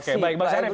oke baik bang syarif